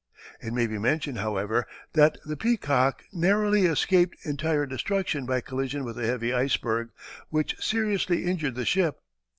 It may be mentioned, however, that the Peacock narrowly escaped entire destruction by collision with a heavy iceberg, which seriously injured the ship.